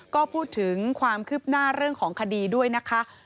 ก็พูดถึงความคืบหน้าเรื่องของคดีด้วยนะคะ